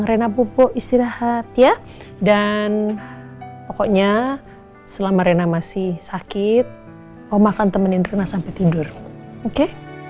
rena pupuk istirahat ya dan pokoknya selama rena masih sakit om akan temenin rena sampai tidur oke